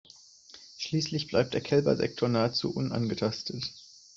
Schließlich bleibt der Kälbersektor nahezu unangetastet.